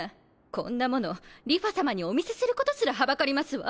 こんなもの梨花さまにお見せすることすらはばかりますわ。